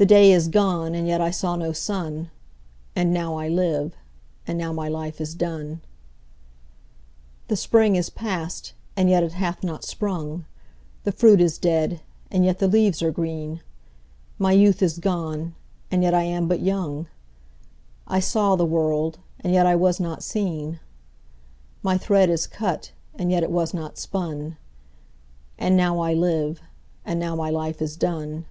5The day is gone and yet I saw no sun,6And now I live, and now my life is done.7The spring is past, and yet it hath not sprung,8The fruit is dead, and yet the leaves are green,9My youth is gone, and yet I am but young,10I saw the world, and yet I was not seen,11My thread is cut, and yet it was not spun,12And now I live, and now my life is done.